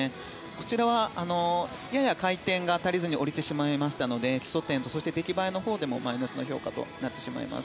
こちらは、やや回転が足りずに降りてしまいましたので基礎点と出来栄えのほうでもマイナス評価でした。